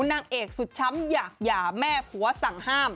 นางเอกสุดช้ำอยากหย่าแม่ผัวสั่งห้าม